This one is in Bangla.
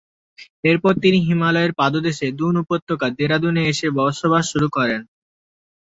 এরপর তিনি হিমালয়ের পাদদেশে দুন উপত্যকার দেরাদুনে এসে বসবাস শুরু করেন।